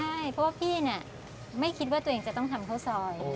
ใช่เพราะว่าพี่เนี่ยไม่คิดว่าตัวเองจะต้องทำข้าวซอย